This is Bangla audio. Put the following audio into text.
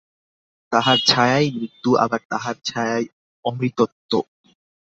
তাঁহার ছায়াই মৃত্যু, আবার তাঁহার ছায়াই অমৃতত্ব।